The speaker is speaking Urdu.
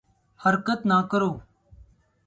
حرکت نہ کرو